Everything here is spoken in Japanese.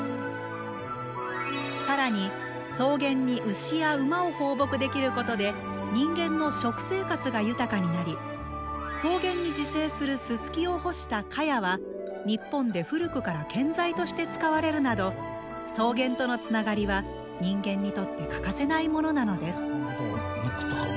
さらに、草原に牛や馬を放牧できることで人間の食生活が豊かになり草原に自生するススキを干したカヤは、日本で古くから建材として使われるなど草原とのつながりは人間にとって欠かせないものなのです。